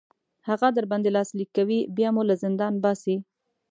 هغه در باندې لاسلیک کوي بیا مو له زندان باسي.